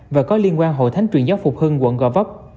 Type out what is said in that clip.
và có liên quan hội thánh truyền giáo phục hưng quận gò vấp